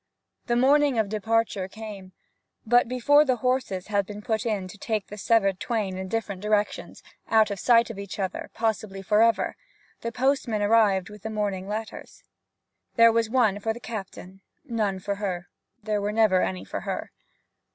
The morning of departure came; but before the horses had been put in to take the severed twain in different directions, out of sight of each other, possibly for ever, the postman arrived with the morning letters. There was one for the captain; none for her there were never any for her.